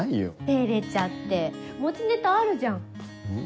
照れちゃって持ちネタあるじゃん。